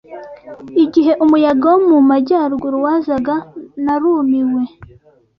Igihe umuyaga wo mu majyaruguru wazaga narumiwe